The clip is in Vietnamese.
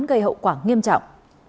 một quả nghiêm trọng